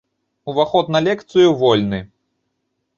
Уваход на лекцыю вольны!